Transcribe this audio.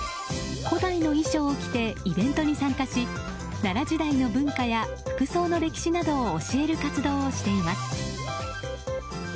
古代の衣装を着てイベントに参加し奈良時代の文化や服装の歴史などを教える活動をしています。